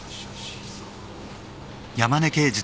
いいぞ。